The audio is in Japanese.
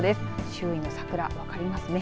周囲の桜、分かりますね。